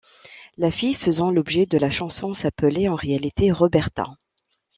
La fille faisant l'objet de la chanson s'appelait en réalité Roberta.